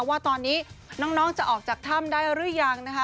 ว่าตอนนี้น้องจะออกจากถ้ำได้หรือยังนะคะ